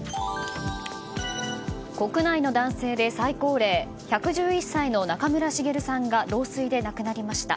国内の男性で最高齢１１１歳の中村茂さんが老衰で亡くなりました。